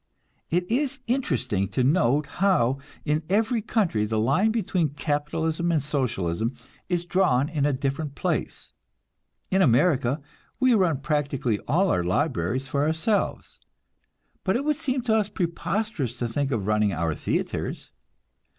It is interesting to note how in every country the line between capitalism and Socialism is drawn in a different place. In America we run practically all our libraries for ourselves, but it would seem to us preposterous to think of running our theatres.